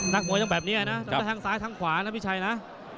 นักมวยต้องแบบนี้เลยนะต้องได้ทั้งซ้ายทั้งขวานะพี่ชัยนะ